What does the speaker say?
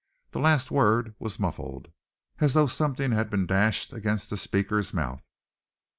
The last word was muffled, as though something had been dashed against the speaker's mouth.